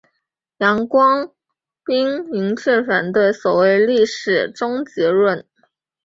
杨光斌明确反对所谓历史终结论。